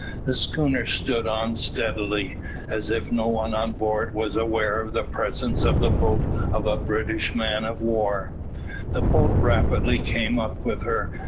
The schooner stood on steadily, as if no one on board was aware of the presence of the boat of a British man of war. The boat rapidly came up with her.